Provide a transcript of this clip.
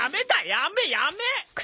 やめやめ！